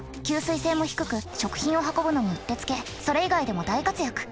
吸水性も低く食品を運ぶのにうってつけそれ以外でも大活躍。